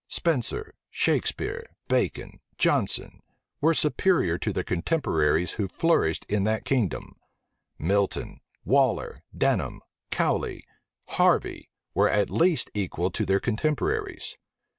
Spenser, Shakspeare, Bacon, Jonson, were superior to their contemporaries who flourished in that kingdom. Milton, Waller, Denham, Cowley, Harvey, were at least equal to their contemporaries.